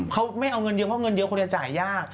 เขาไม่เอาเงินเยอะเพราะเงินเยอะคนจะจ่ายยาก